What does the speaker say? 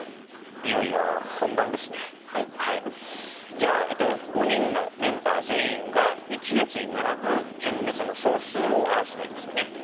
じゃあえっと５人のメンバー全員が１列に並ぶ順列の総数を表せばいいんですよね。